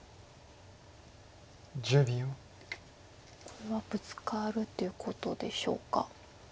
これはブツカるっていうことでしょうか。